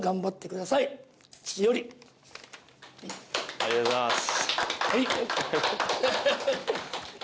ありがとうございます。